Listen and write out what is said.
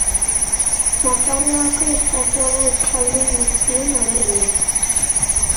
Nafarroako estatua da euskaldun guztion aberria.